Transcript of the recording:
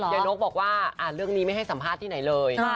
นกบอกว่าเรื่องนี้ไม่ให้สัมภาษณ์ที่ไหนเลย